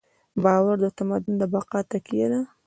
باور د تمدن د بقا تکیه ده.